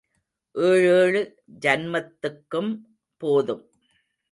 ஏழேழு ஜன்மத்துக்கும் போதும்.